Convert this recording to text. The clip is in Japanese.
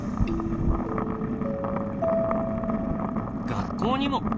学校にも。